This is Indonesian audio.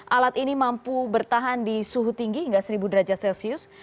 alat ini mampu bertahan di suhu tinggi hingga seribu derajat celcius